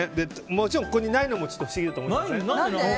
もちろん、ここにないのも不思議だと思うけど。